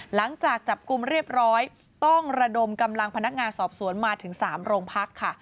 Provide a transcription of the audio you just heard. หลังจากจับกลุ่มเรียบร้อยต้องระดมกำลังพนักงานสอบสวนมาถึง๓โรงพักค่ะ